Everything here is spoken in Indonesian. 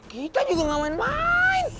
kita juga nggak mau main main